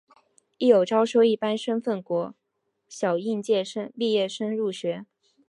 亦有招收一般身份国小应届毕业生入学。